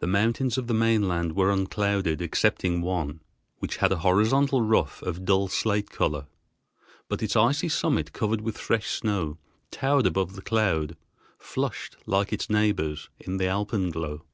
The mountains of the mainland were unclouded, excepting one, which had a horizontal ruff of dull slate color, but its icy summit covered with fresh snow towered above the cloud, flushed like its neighbors in the alpenglow.